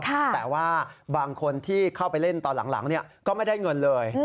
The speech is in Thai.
แต่ว่าบางคนที่เข้าไปเล่นตอนหลังก็ไม่ได้เงินเลย